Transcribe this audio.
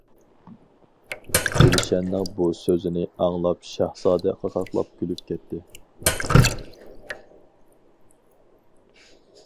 گۈلشەننىڭ بۇ سۆزىنى ئاڭلاپ شاھزادە قاقاقلاپ كۈلۈپ كەتتى.